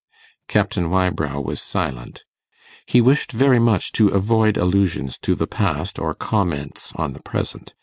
Captain Wybrow was silent. He wished very much to avoid allusions to the past or comments on the present.